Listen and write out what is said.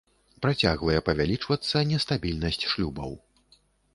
Працягвае павялічвацца нестабільнасць шлюбаў.